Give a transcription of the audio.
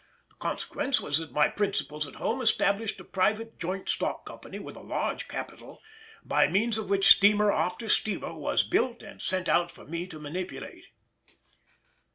The consequence was that my principals at home established a private Joint Stock Company with a large capital, by means of which steamer after steamer was built and sent out for me to manipulate.